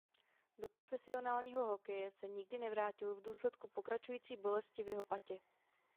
Do profesionálního hokeje se nikdy nevrátil v důsledku pokračující bolest v jeho patě.